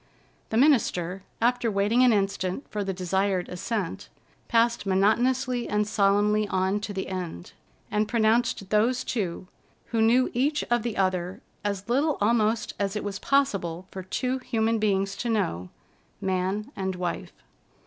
The minister, after waiting an instant for the desired assent, passed monotonously and solemnly on to the end, and pronounced those two, who knew each of the other as little almost as it was possible for two human beings to know, man and wife.